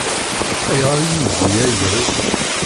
Ayɣer i yewwi ayla-w?